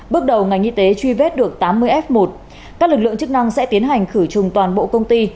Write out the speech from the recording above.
bước đầu ngành y tế truy vết được tám mươi f một các lực lượng chức năng sẽ tiến hành khử trùng toàn bộ công ty